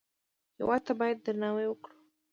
هېواد ته باید درناوی وکړو